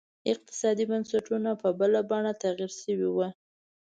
اقتصادي بنسټونه په بله بڼه تغیر شوي وو.